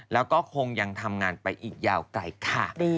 แล้วก็คงยังทำงานไปอีกยาวไกลค่ะ